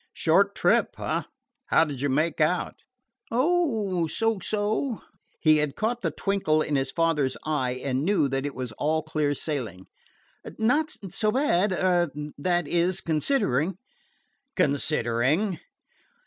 "Short trip, eh? How did you make out?" "Oh, so so." He had caught the twinkle in his father's eye and knew that it was all clear sailing. "Not so bad er that is, considering." "Considering?"